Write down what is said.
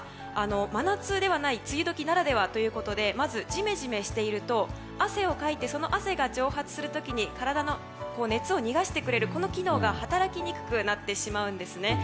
真夏ではない梅雨時ならではということでまず、ジメジメしていると汗をかいてその汗が蒸発する時に体の熱を逃がしてくれる機能が働きにくくなるんです。